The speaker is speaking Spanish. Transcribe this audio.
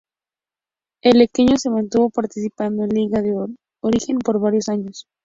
El Iqueño, se mantuvo participando en liga de origen por varios años.